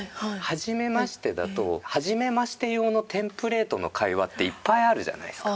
はじめましてだとはじめまして用のテンプレートの会話っていっぱいあるじゃないですか。